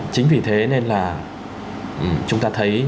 chính vì thế nên là chúng ta thấy